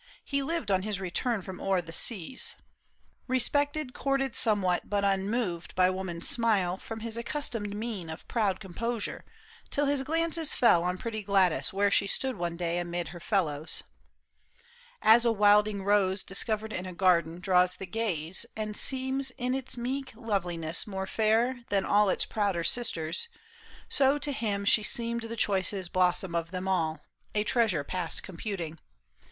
He lived on his return from o'er the seas, Respected, courted somewhat, but unmoved By woman's smile from his accustomed mien Of proud composure, till his glances fell On pretty Gladys where she stood one day Amid her fellows. As a wilding rose PAUL ISHAM. 43 Discovered in a garden draws the gaze And seems in its meek loveliness more fair Than all its prouder sisters, so to him She seemed the choicest blossom of them all, A treasure past computing.